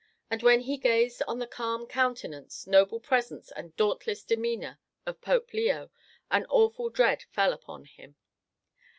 And when he gazed on the calm countenance, noble presence, and dauntless demeanor of Pope Leo, an awful dread fell upon him.